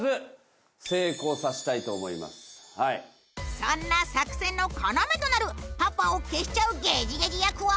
そんな作戦の要となるパパを消しちゃうゲジゲジ役は。